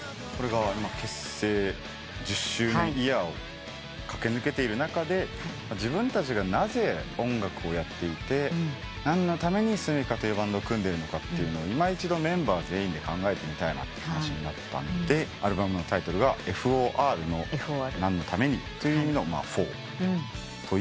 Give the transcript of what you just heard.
結成１０周年イヤーを駆け抜けている中で自分たちがなぜ音楽をやっていて何のためにｓｕｍｉｋａというバンドを組んでいるのかをいま一度メンバー全員で考えてみたいって話になったのでアルバムのタイトルが「Ｆｏｒ」の「何のために」という意味の『Ｆｏｒ．』というタイトルに。